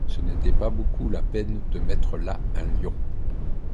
Ce n’était pas beaucoup la peine de mettre là un lion.